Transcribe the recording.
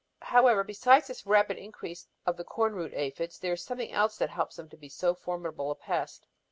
"However, besides this rapid increase of the corn root aphids, there is something else that helps them to be so formidable a pest.